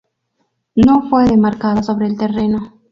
No fue demarcada sobre el terreno.